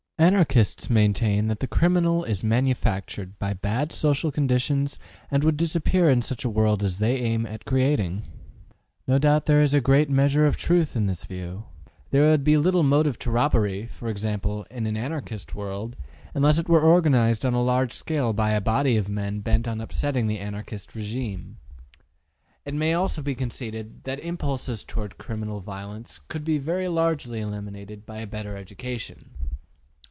Anarchists maintain that the criminal is manufactured by bad social conditions and would disappear in such a world as they aim at creating. No doubt there is a great measure of truth in this view. There would be little motive to robbery, for example, in an Anarchist world, unless it were organized on a large scale by a body of men bent on upsetting the Anarchist regime. It may also be conceded that impulses toward criminal violence could be very largely eliminated by a better education.